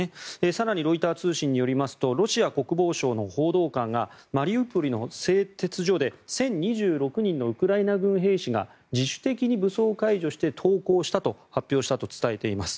更にロイター通信によりますとロシア国防省の報道官がマリウポリの製鉄所で１０２６人のウクライナ軍兵士が自主的に武装を解除して投降したと発表したと伝えています。